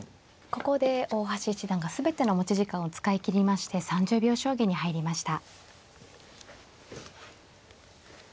ここで大橋七段が全ての持ち時間を使い切りまして３０秒将棋に入りました。